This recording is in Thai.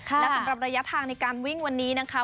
และสำหรับระยะทางในการวิ่งวันนี้นะคะ